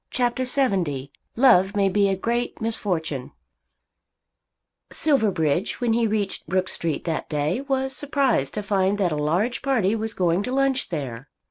CHAPTER LXX "Love May Be a Great Misfortune" Silverbridge when he reached Brook Street that day was surprised to find that a large party was going to lunch there.